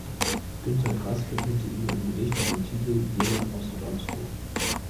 Günter Grass widmete ihm ein Gedicht mit dem Titel „Jemand aus Radomsko“.